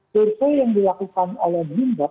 certo yang dilakukan oleh bloomberg